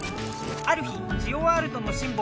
ある日ジオワールドのシンボル